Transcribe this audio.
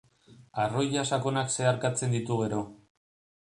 Arroila sakonak zeharkatzen ditu gero.